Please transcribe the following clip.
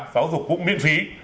giáo dục cũng miễn phí